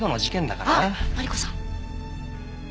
あっマリコさん！